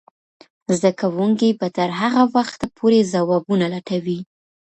زده کوونکې به تر هغه وخته پورې ځوابونه لټوي.